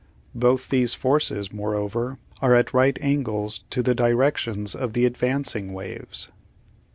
Both these forces, more over, are at right angles to the directions of the advancing waves (see Fig.